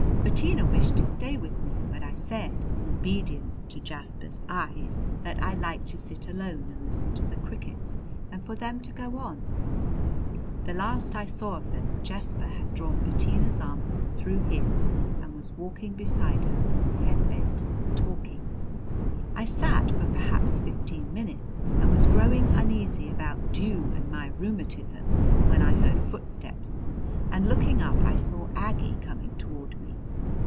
Bettina wished to stay with me, but I said, in obedience to Jasper's eyes, that I liked to sit alone and listen to the crickets, and for them to go on. The last I saw of them Jasper had drawn Bettina's arm through his and was walking beside her with his head bent, talking. I sat for perhaps fifteen minutes and was growing uneasy about dew and my rheumatism when I heard footsteps and, looking up, I saw Aggie coming toward me.